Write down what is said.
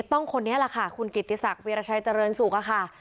ต้องคนนี้แหละค่ะคุณกิติศักดิราชัยเจริญสุขค่ะ